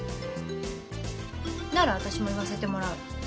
なら私も言わせてもらう。